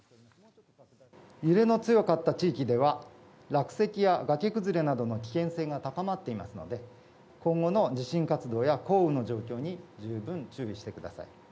揺れの強かった地域では、落石やがけ崩れなどの危険性が高まっていますので、今後の地震活動や降雨の状況に十分注意してください。